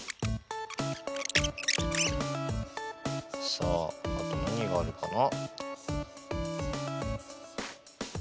さああと何があるかな。